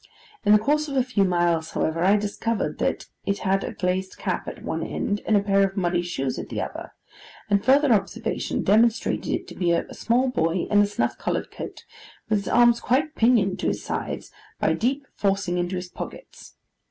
In the course of a few miles, however, I discovered that it had a glazed cap at one end and a pair of muddy shoes at the other and further observation demonstrated it to be a small boy in a snuff coloured coat, with his arms quite pinioned to his sides, by deep forcing into his pockets.